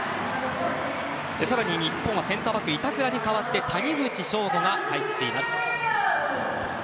更に日本はセンターバック板倉に代わって谷口彰悟が入っています。